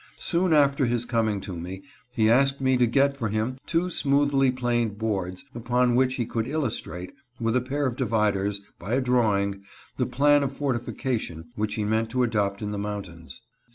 Soon after his coming to me, he asked me to get for him two smoothly planed boards, upon which he could illustrate, with a pair of dividers, by a drawing, the plan of fortifi cation which he meant to adopt in the mountains.